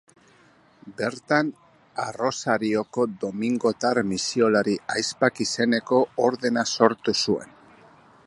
Bertan Arrosarioko Domingotar Misiolari Ahizpak izeneko ordena sortu zuen.